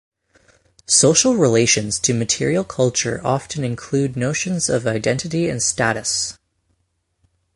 Social relations to material culture often include notions of identity and status.